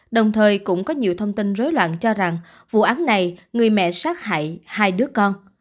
đồng thời cũng có nhiều thông tin rối loạn cho rằng vụ án này người mẹ sát hại hai đứa con